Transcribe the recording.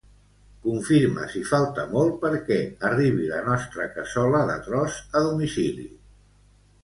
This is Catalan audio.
Confirma si falta molt perquè arribi la nostra cassola de tros a domicili.